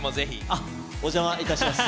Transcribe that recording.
あっ、お邪魔いたします。